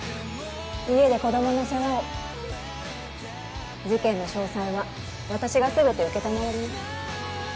家で子どもの世話を事件の詳細は私が全て承ります